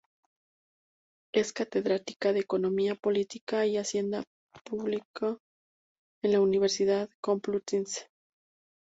Es catedrática de Economía política y Hacienda pública en la Universidad Complutense.